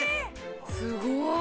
すごーい！